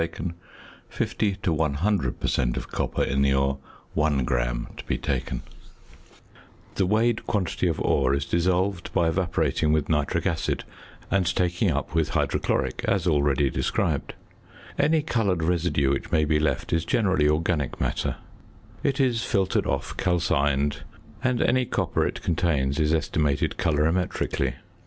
5 " 50 to 100 1 " The weighed quantity of ore is dissolved by evaporating with nitric acid and taking up with hydrochloric, as already described. Any coloured residue which may be left is generally organic matter: it is filtered off, calcined, and any copper it contains is estimated colorimetrically.